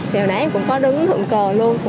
thì hồi nãy em cũng có đứng thượng cờ luôn